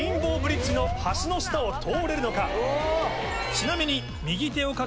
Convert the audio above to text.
ちなみに。